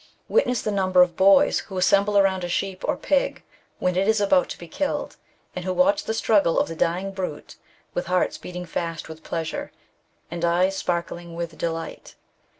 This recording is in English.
Witness the number of boys who assemble around a sheep or pig when it is about to be killed, and who watch the struggle of the dying brute with hearts beating fast with pleasure, and eyes sparkling with delight.